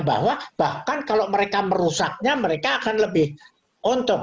bahwa bahkan kalau mereka merusaknya mereka akan lebih untung